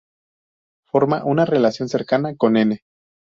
Forma una relación cercana con Nene.